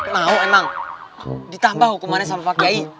mau emang ditambah hukumannya sama pak kiai